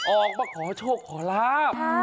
ออกมาขอโชคขอลาบ